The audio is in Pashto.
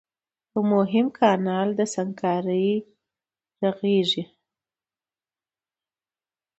د يوه مهم کانال د سنګکارۍ رغنيزي